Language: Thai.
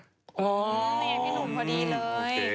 นี่พี่หนุ่มพอดีเลย